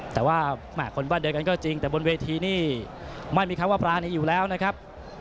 แต่ว่าคนบ้านเดียวกันก็จริงแต่บนเวทีนี่ไม่มีคำว่าปรานีอยู่แล้วนะครับ